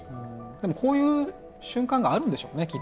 でもこういう瞬間があるんでしょうねきっと。